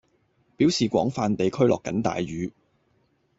表示廣泛地區落緊大雨